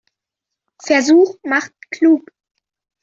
Versuch macht klug.